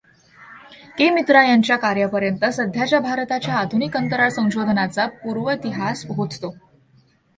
के. मित्रा यांच्या कार्यापर्यंत, सध्याच्या भारताच्या आधुनिक अंतराळ संशोधनाचा पूर्वेतिहास पोचतो.